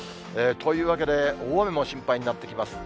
というわけで、大雨も心配になってきます。